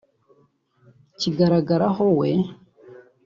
kigaragaraho we